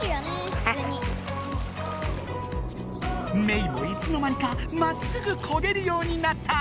メイもいつの間にかまっすぐこげるようになった！